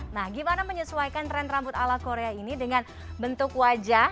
nah gimana menyesuaikan tren rambut ala korea ini dengan bentuk wajah